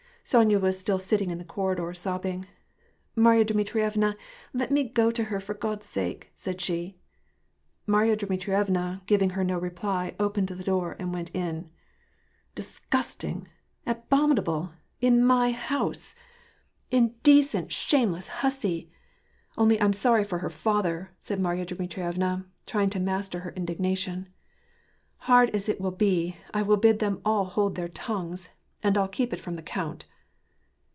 Sonya was still sitting in the corridor sobbing. ''Marya Dmitrievna, let me go to her for (rod's sake," said she. Marya Dmitrievna, giving her no reply, 0|>ened the door, and went in. '' Disgusting ! abominable !— In my house !— S76 tr^A AlfD PEACE. Indecent, shameless hussy !— Only I'm sorry for her father, said Marya Dmitrievna, trying to master her indignation. " Hard as it will be, I will bid them all hold their tongues, and I'll keep it from the count."